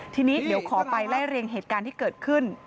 ทีนี้เดี๋ยวขอไปไล่เรียงเหตุการณ์ที่เกิดขึ้น